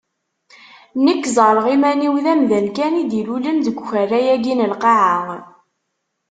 Nekk ẓerreɣ iman-iw d amdan kan i d-ilulen deg ukerra-agi n lqaɛa.